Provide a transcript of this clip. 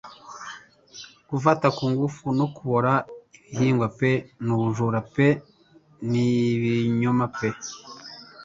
Gufata ku ngufu no kubora ibihingwa pe n'ubujura pe n'ibinyoma pe